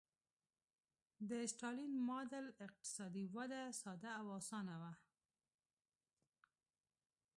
د ستالین ماډل اقتصادي وده ساده او اسانه وه.